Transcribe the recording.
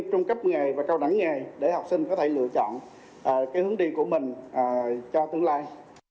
trung cấp nghề và cao đẳng nghề để học sinh có thể lựa chọn hướng đi của mình cho tương lai